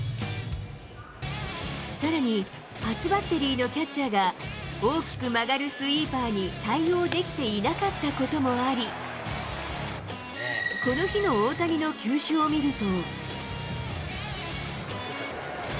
さらに、初バッテリーのキャッチャーが、大きく曲がるスイーパーに対応できていなかったこともあり、この日の大谷の球種を見ると。